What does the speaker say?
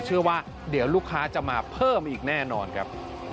เชื่อว่าเดี๋ยวลูกค้าจะมาเพิ่มอีกแน่นอนครับ